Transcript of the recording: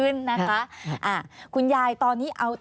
อันดับ๖๓๕จัดใช้วิจิตร